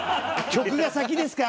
作詞が先ですか？